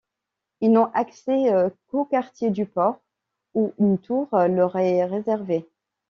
Ils n'ont accès qu'au quartier du port, où une tour leur est réservée.